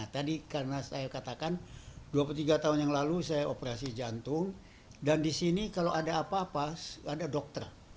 tadi karena saya katakan dua puluh tiga tahun yang lalu saya operasi jantung dan di sini kalau ada apa apa ada dokter